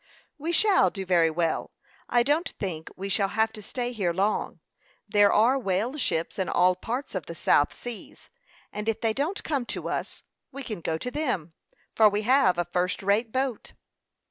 "We shall do very well. I don't think we shall have to stay here long. There are whale ships in all parts of the South Seas, and if they don't come to us, we can go to them, for we have a first rate boat."